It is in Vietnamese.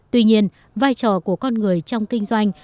tuy nhiên vai trò của con người trong kinh doanh